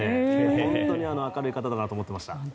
本当に明るい方だなと思っていました。